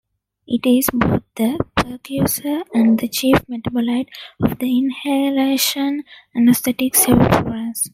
It is both the precursor and the chief metabolite of the inhalation anesthetic sevoflurane.